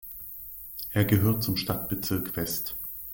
Er gehört zum Stadtbezirk West.